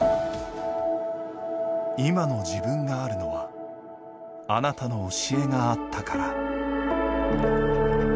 今の自分があるのは、あなたの教えがあったから。